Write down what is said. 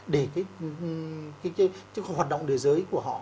để cái hoạt động nơi giới của họ